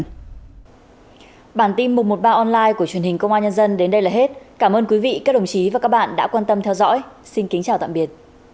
hãy đăng ký kênh để ủng hộ kênh mình nhé